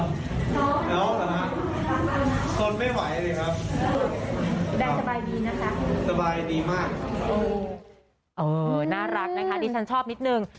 สวัสดีครับสบายดีมากน่ารักนะฮะดิฉันชอบนิดหนึ่ง